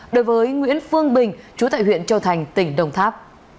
đối với nguyễn phương bình chú tại huyện châu thành tỉnh đồng tháp